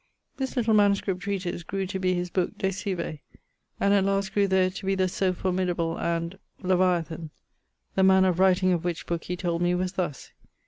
This little MS. treatise grew to be his book De Cive, and at last grew there to be the so formidable and ... LEVIATHAN; the manner of writing of which booke (he told me) was thus.